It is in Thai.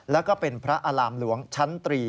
และเป็นพระอารามหลวงชั้น๓